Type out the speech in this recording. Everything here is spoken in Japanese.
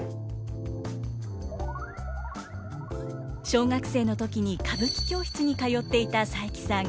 小学生の時に歌舞伎教室に通っていた佐伯さん。